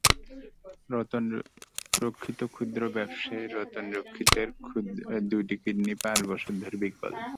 রতন রক্ষিতক্ষুদ্র ব্যবসায়ী রতন রক্ষিতের দুটি কিডনি প্রায় পাঁচ বছর ধরে বিকল।